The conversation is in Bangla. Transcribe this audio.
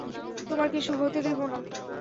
তোমার কিছু হতে দেব না।